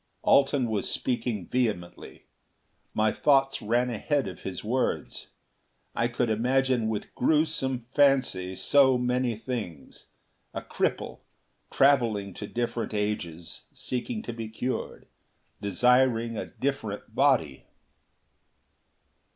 Alten was speaking vehemently. My thoughts ran ahead of his words; I could imagine with grewsome fancy so many things. A cripple, traveling to different ages seeking to be cured. Desiring a different body....